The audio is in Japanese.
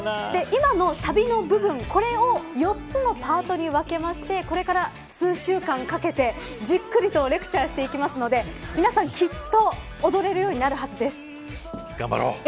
今のサビの部分これを４つのパートに分けましてこれから、数週間かけてじっくりとレクチャーしていきますので皆さん、きっと頑張ろう。